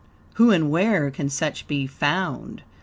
Who and where can such be found?